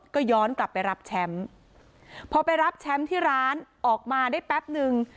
ก็ย้อนกลับไปรับแชมป์พอไปรับแชมป์ที่ร้านออกมาได้แป๊บนึง